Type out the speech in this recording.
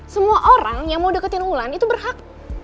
semua orang yang mau deketin ulan itu berhak